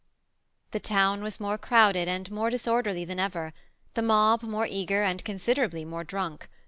The town was more crowded and more disorderlj than ever ; the moh more eager and considerably more drunk.